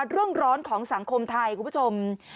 เรื่องร้อนของสังคมไทยคุณผู้ชม